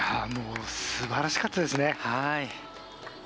すばらしかったですね。